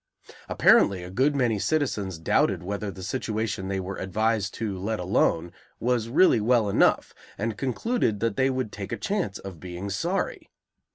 Apparently a good many citizens doubted whether the situation they were advised to let alone was really well enough, and concluded that they would take a chance of being sorry.